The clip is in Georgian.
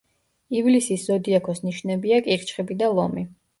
ივლისის ზოდიაქოს ნიშნებია კირჩხიბი და ლომი.